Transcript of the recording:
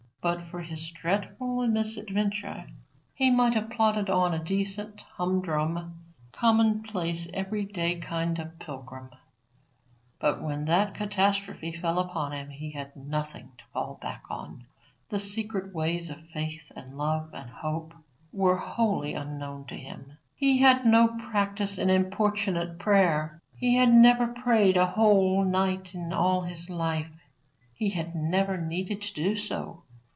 But for his dreadful misadventure, he might have plodded on, a decent, humdrum, commonplace, everyday kind of pilgrim; but when that catastrophe fell on him he had nothing to fall back upon. The secret ways of faith and love and hope were wholly unknown to him. He had no practice in importunate prayer. He had never prayed a whole night all his life. He had never needed to do so.